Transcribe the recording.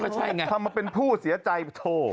ก็ใช่ไงทำมาเป็นผู้เสียใจเดอะ